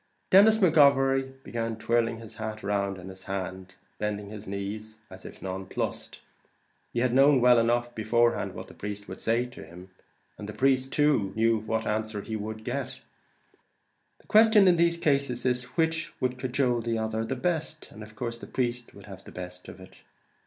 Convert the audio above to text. Denis McGovery began twirling his hat round in his hand, and bending his knees, as if nonplussed. He had known well enough, beforehand, what the priest would say to him, and the priest too, what answer he would get. The question in these cases is, which would cajole the other the best, and of course the priest would have the best of it.